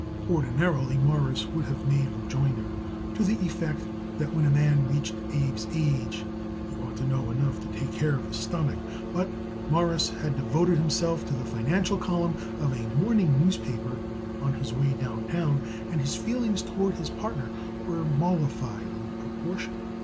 Ordinarily, Morris would have made rejoinder to the effect that when a man reached Abe's age he ought to know enough to take care of his stomach; but Morris had devoted himself to the financial column of a morning newspaper on his way downtown, and his feelings toward his partner were mollified in proportion.